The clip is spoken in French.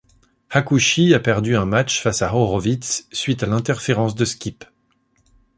Hakushi a perdu un match face à Horowitz suite à l'interférence de Skip.